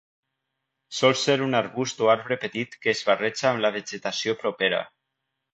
Sol ser un arbust o arbre petit que es barreja amb la vegetació propera.